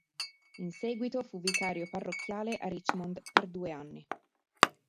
In seguito fu vicario parrocchiale a Richmond per due anni.